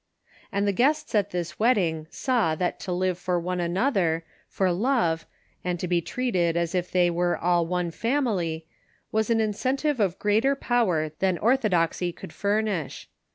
And the guests at this wedding saw that to live for one another, for love, and to be treated as if they were all one family, was an incentive of greater power than orthodoxy could furnish.